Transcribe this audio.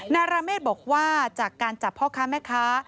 นาราเมฆบอกว่าจากการจับพ่อค้าแม่ค้า